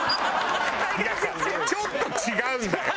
ちょっと違うんだよ。